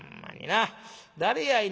誰やいな